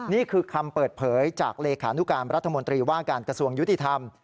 นี่คือคำเปิดเผยจากเลขานุการรัฐมนตรีว่าการกระทรวงยุติธรรม